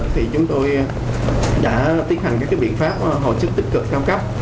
thì chúng tôi đã tiến hành các biện pháp hồi sức tích cực cao cấp